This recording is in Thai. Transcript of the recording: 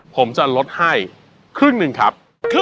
ผมจะลดให้ครึ่งหนึ่งครับ